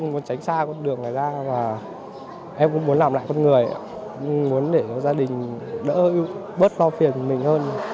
và em cũng muốn làm lại con người muốn để gia đình đỡ bớt lo phiền của mình hơn